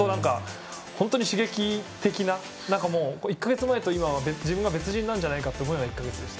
本当に刺激的な１か月前と今の自分が別人なんじゃないかと思うぐらいの。